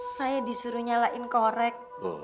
saya disuruh nyalain korek